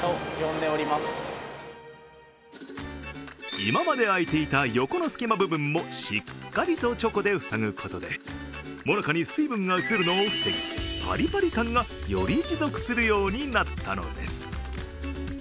今まであいていた横の隙間部分もしっかりとチョコで塞ぐことでモナカに水分が移るのを防ぎ、パリパリ感がより持続するようになったのです。